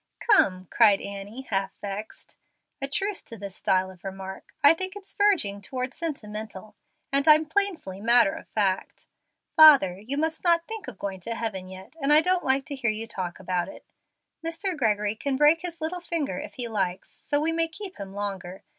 "Come," cried Annie, half vexed; "a truce to this style of remark. I think it's verging toward the sentimental, and I'm painfully matter of fact. Father, you must not think of going to heaven yet, and I don't like to hear you talk about it. Mr. Gregory can break his little finger, if he likes, so we may keep him longer.